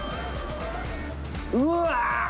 うわ。